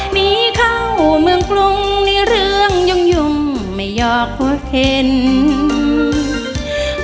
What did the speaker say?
หนี้เข้าเมืองกรุงในเรื่องยุ่งยุ่มไม่ยอกหัวเพชร